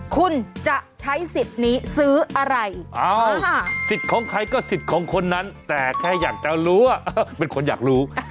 คุณจะใช้สิทธิ์นี้ซื้ออะไรสิทธิ์ของใครก็สิทธิ์ของคนนั้นแต่แค่อยากจะรู้ว่าเป็นคนอยากรู้